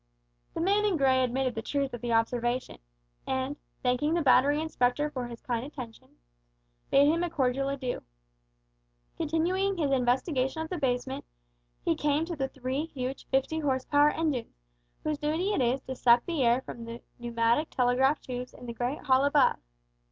The man in grey admitted the truth of the observation, and, thanking the Battery Inspector for his kind attentions, bade him a cordial adieu. Continuing his investigation of the basement, he came to the three huge fifty horse power engines, whose duty it is to suck the air from the pneumatic telegraph tubes in the great hall above.